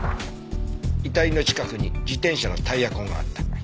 遺体の近くに自転車のタイヤ痕があった。